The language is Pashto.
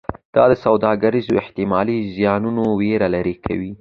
دا د سوداګرو احتمالي زیانونو ویره لرې کوي.